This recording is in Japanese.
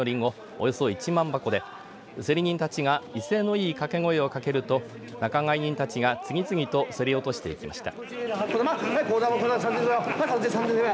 およそ１万箱で競り人たちが威勢のいい掛け声をかけると仲買人たちが次々と競り落としていきました。